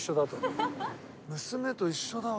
娘と一緒だわ。